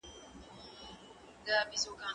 زه به اوږده موده سبزېجات وچولي وم.